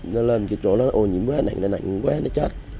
nó lên cái chỗ nó ô nhiễm quá nặng quá nó chết